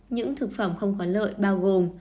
những thực phẩm không có lợi bao gồm